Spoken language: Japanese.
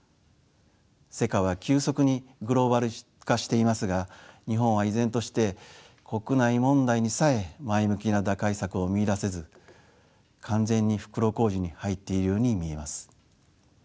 世界は急速にグローバル化していますが日本は依然として国内問題にさえ前向きな打開策を見いだせず完全に袋小路に入っているように見えます。